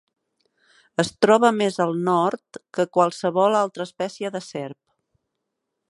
Es troba més al nord que qualsevol altra espècie de serp.